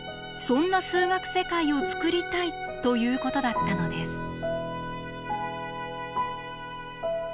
そんな数学世界を作りたいということだったのです。